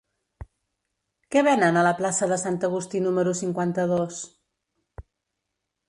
Què venen a la plaça de Sant Agustí número cinquanta-dos?